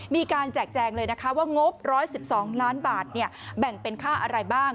มีการแจกแจงเลยว่างบาท๑๑๒ล้านบาทแบ่งเป็นค่าอะไรบ้าง